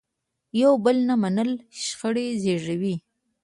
یو بل نه منل شخړې زیږوي.